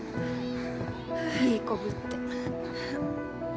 いい子ぶって。